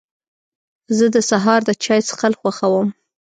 زه د سهار د چای څښل خوښوم.